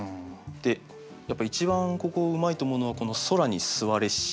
でやっぱ一番ここうまいと思うのはこの「空に吸はれし」。